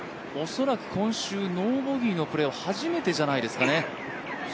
恐らく今週、ノーボギーのプレーは初めてじゃないですかね。